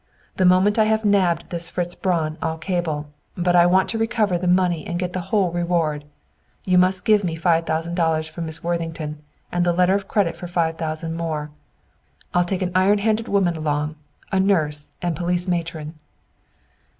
The moment I have nabbed this Fritz Braun I'll cable; but I want to recover the money and get the whole reward. You must get me five thousand dollars from Miss Worthington, and the letter of credit for five thousand more. I'll take an iron handed woman along, a nurse, and police matron."